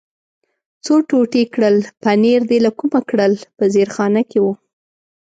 څو ټوټې کړل، پنیر دې له کومه کړل؟ په زیرخانه کې و.